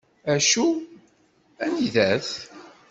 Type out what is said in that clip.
Acu? Anida-t?